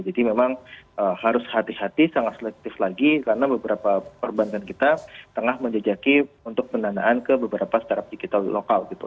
jadi memang harus hati hati sangat selektif lagi karena beberapa perbankan kita tengah menjejaki untuk pendanaan ke beberapa secara digital lokal gitu